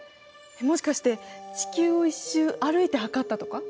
もしかして地球を１周歩いて測ったとか？